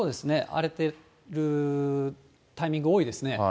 荒れてるタイミング多いですね。